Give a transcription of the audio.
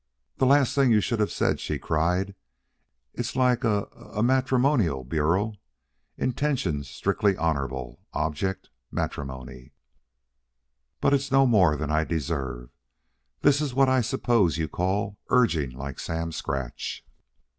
"The last thing you should have said," she cried. "It's like a a matrimonial bureau: intentions strictly honorable; object, matrimony. But it's no more than I deserved. This is what I suppose you call urging like Sam Scratch."